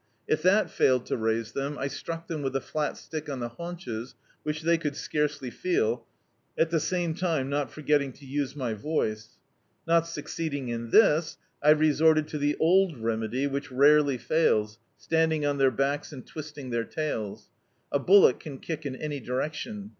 If that failed to raise them, I struck them with a flat stick on the haunches, which they could scarcely feel, at the same time not forgetting to use my voice. Not succeeding in this, I resorted to the old remedy, which rarely fails, standing at their backs and twisting their tails. A bullock can kick in any direction.